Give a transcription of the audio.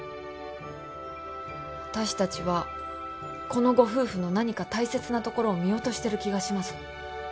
私たちはこのご夫婦の何か大切なところを見落としてる気がします。